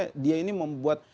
akhirnya dia ini membuat